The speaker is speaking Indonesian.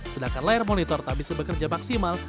sedangkan layar monitor tak bisa bekerja maksimal